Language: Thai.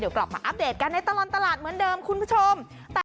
เดี๋ยวกลับมาอัปเดตกันในตลอดตลาดเหมือนเดิมคุณผู้ชม